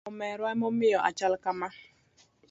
Lamo merwa emomiyo achal kama